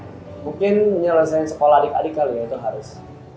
sama apa ya mungkin menyelesaikan sekolah adik adik kali ya itu harus